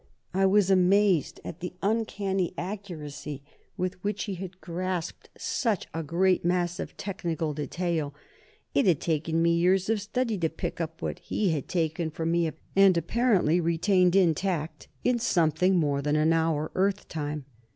I was amazed at the uncanny accuracy with which he had grasped such a great mass of technical detail. It had taken me years of study to pick up what he had taken from me, and apparently retained intact, in something more than an hour, Earth time.